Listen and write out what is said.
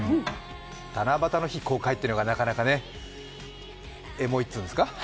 七夕の日公開っていうのがなかなかね、エモいっていうんですか？